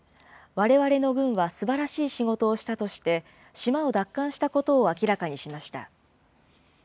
われわれの軍はすばらしい仕事をしたとして、島を奪還したことを明らかにしました。